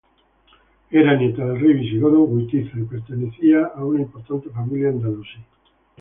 Era nieta del rey visigodo Witiza, y pertenecía a una importante familia andalusí.